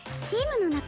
チームの。